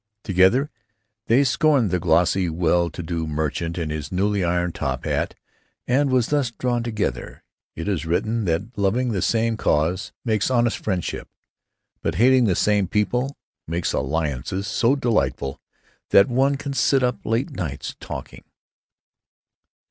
Together they scorned the glossy well to do merchant in his newly ironed top hat, and were thus drawn together. It is written that loving the same cause makes honest friendship; but hating the same people makes alliances so delightful that one can sit up late nights, talking.